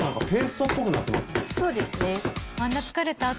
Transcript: そうですね。